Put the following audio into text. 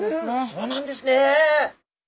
そうなんですね。